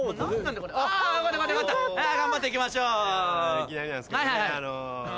いきなりなんですけどねあの。